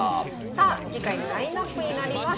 さあ次回のラインナップになります。